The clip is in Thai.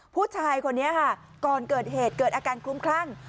ผู้ชายคนนี้ค่ะก่อนเกิดเหตุเกิดอาการคลุ้มคลั่ง